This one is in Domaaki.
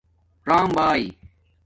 رَم بائ